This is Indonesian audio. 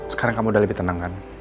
sekarang kamu udah lebih tenang kan